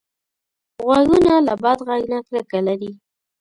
غوږونه له بد غږ نه کرکه لري